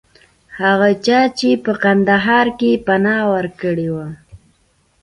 هغه چا چې په کندهار کې پناه ورکړې وه.